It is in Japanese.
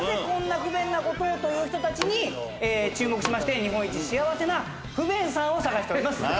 こんな不便なことをという人たちに注目しまして日本一幸せな不便さんを探しております。